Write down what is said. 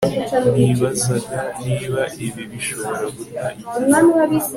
Nibazaga niba ibi bishobora guta igihe